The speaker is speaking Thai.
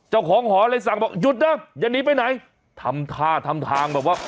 เจ้าของหอเลยสั่งบอกหยุดนะอย่าหนีไปไหนทำท่าทำทางแบบว่า